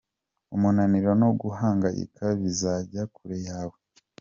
Umunaniro no guhangayika bizanjya kure yawe.